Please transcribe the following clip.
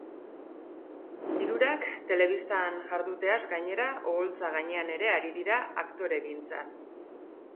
Hirurak, telebistan jarduteaz gainera, oholtza gainean ere ari dira aktoregintzan.